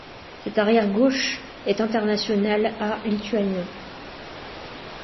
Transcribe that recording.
Cet arrière gauche est international A lituanien.